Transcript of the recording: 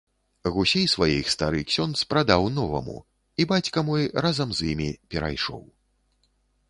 Гусей сваіх стары ксёндз прадаў новаму, і бацька мой разам з імі перайшоў.